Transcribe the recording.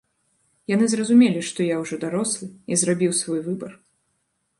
Яны зразумелі, што я ўжо дарослы, і зрабіў свой выбар.